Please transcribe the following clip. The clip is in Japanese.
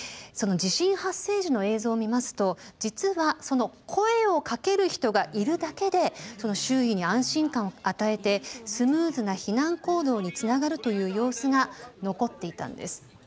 その地震発生時の映像を見ますと実は声をかける人がいるだけで周囲に安心感を与えてスムーズな避難行動につながるという様子が残っていたんです。